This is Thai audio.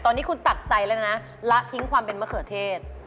ตอนนี้คุณตัดใจแล้วนะละทิ้งความเป็นมะเขือเทศ